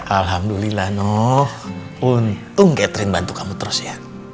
alhamdulillah noh untung catherine bantu kamu terus ya